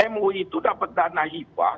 mui itu dapat dana hibah